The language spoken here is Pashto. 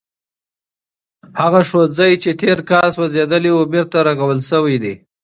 هغه ښوونځی چې تیر کال سوځېدلی و بېرته رغول شوی دی.